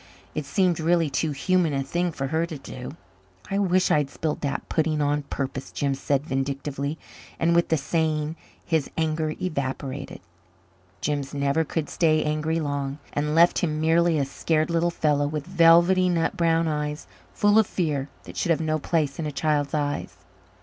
It seemed really too human a thing for her to do. "I wish I had spilled that pudding on purpose," Jims said vindictively, and with the saying his anger evaporated Jims never could stay angry long and left him merely a scared little fellow, with velvety, nut brown eyes full of fear that should have no place in a child's eyes.